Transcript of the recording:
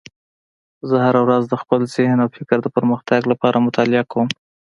زه هره ورځ د خپل ذهن او فکر د پرمختګ لپاره مطالعه کوم